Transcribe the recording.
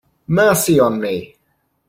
Mercy on me!